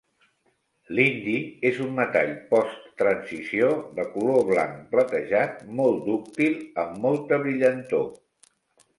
L'indi és un metall post-transició de color blanc platejat, molt dúctil, amb molta brillantor.